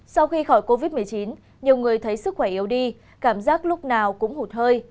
sau khi khỏi covid một mươi chín nhiều người thấy sức khỏe yếu đi cảm giác lúc nào cũng hụt hơi